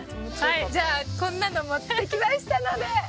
じゃあこんなの持って来ましたので。